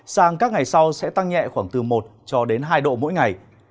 sáng các ngày sau sẽ tăng nhẹ khoảng từ một hai độ mỗi ngày